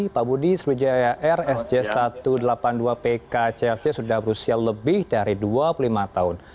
pak budi sriwijaya air sj satu ratus delapan puluh dua pkcrc sudah berusia lebih dari dua puluh lima tahun